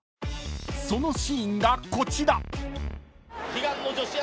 ［そのシーンがこちら］